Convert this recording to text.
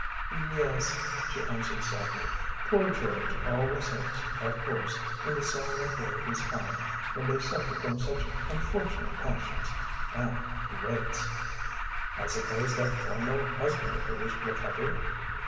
"Yes," she answered sadly. "Poor George always hopes, of course, in the silent way of his kind when they suffer from such unfortunate passions and he waits." "I suppose that former husband of hers recovered?"